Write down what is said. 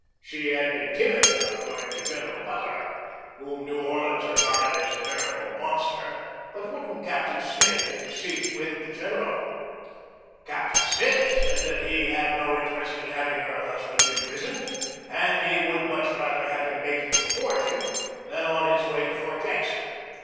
She had been timid about going to Gen eral Butler whom New Orleans regarded as a veri table monster but wouldn't Captain Smith inter cede with the general ? Captain Smith said that he had no interest in having her husband imprisoned, and he would much rather have him making the forging than on his way to Fort Jackson.